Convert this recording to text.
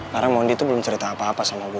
karena mon itu belum cerita apa apa sama gue